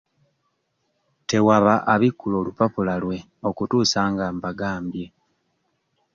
Tewaba abikkula olupapula lwe okutuusa nga mbagambye.